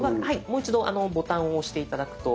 もう一度ボタンを押して頂くと。